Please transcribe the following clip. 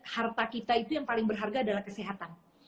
harta kita itu yang paling berharga adalah kesehatan